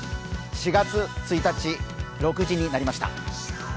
４月１日、６時になりました。